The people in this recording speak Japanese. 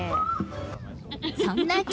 そんな喜